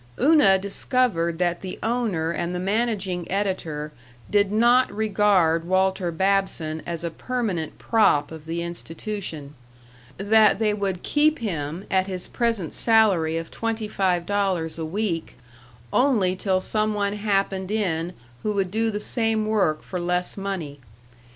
Una discovered that the owner and the managing editor did not regard Walter Babson as a permanent prop of the institution; that they would keep him, at his present salary of twenty five dollars a week, only till some one happened in who would do the same work for less money.